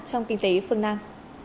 trong kinh tế phương nam